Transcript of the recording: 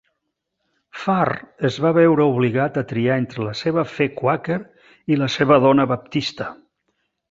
Farr es va veure obligat a triar entre la seva fe quàquer i la seva dona baptista.